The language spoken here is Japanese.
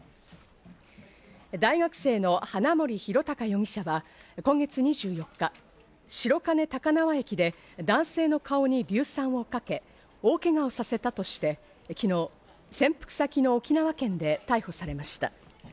大学生の花森弘卓容疑者は、今月２４日、白金高輪駅で男性の顔に硫酸をかけ大ケガをさせたとして、昨日、潜伏先の沖縄県で逮捕されました。